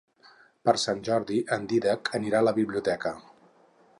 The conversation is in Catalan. Per Sant Jordi en Dídac anirà a la biblioteca.